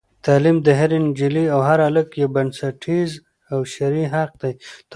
تعلیم د هرې نجلۍ او هر هلک یو بنسټیز او شرعي حق دی.